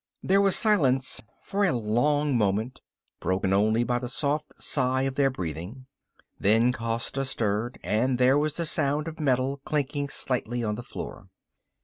There was silence for a long moment, broken only by the soft sigh of their breathing. Then Costa stirred and there was the sound of metal clinking slightly on the floor.